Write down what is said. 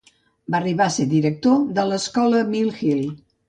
Va arribar a ser director de l'escola Mill Hill.